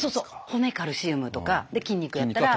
骨カルシウムとか。で筋肉やったら。